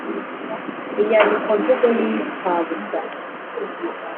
inyandikomvugo y'imfabusa